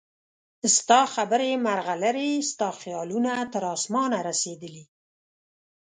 ستا خبرې مرغلرې ستا خیالونه تر اسمانه رسیدلي